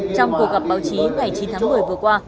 trong cuộc gặp báo chí ngày chín tháng một mươi vừa qua